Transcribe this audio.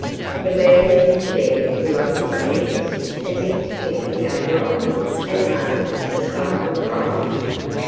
The man in the chair threw up his hands as if to keep the other off, and uttered a stifled cry.